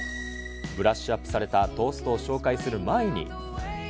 ブラッシュアップされたトーストを紹介する前に。